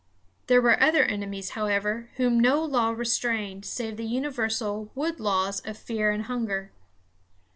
There were other enemies, however, whom no law restrained, save the universal wood laws of fear and hunger.